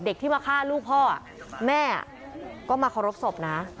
ที่มาฆ่าลูกพ่อแม่ก็มาเคารพศพนะ